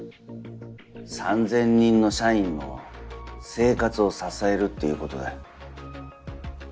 ３０００人の社員の生活を支えるっていうことだよ。